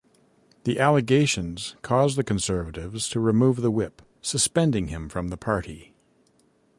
The allegations caused the Conservatives to remove the whip, suspending him from the party.